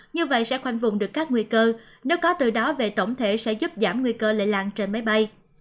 như vậy sẽ khoanh vùng được các nguy cơ nếu có từ đó về tổng thể sẽ giúp giảm nguy cơ lây lan trên máy bay